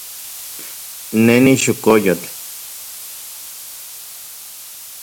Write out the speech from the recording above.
Ne nixokoyotl.